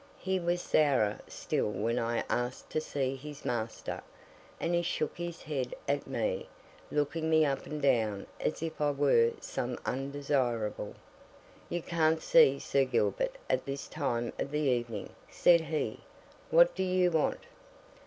He was sourer still when I asked to see his master, and he shook his head at me, looking me up and down as if I were some undesirable. "You can't see Sir Gilbert at this time of the evening," said he. "What do you want?"